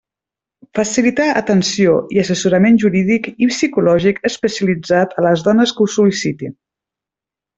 Facilitar atenció i assessorament jurídic i psicològic especialitzat a les dones que ho sol·licitin.